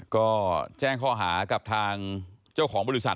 ก็แจ้งข้อหากับทางเจ้าของบริษัท